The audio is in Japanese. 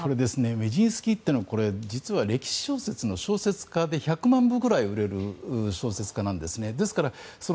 メジンスキーというのは実は歴史小説の小説家で１００万部くらい売れた小説家なんです。